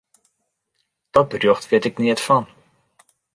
Dat berjocht wit ik neat fan.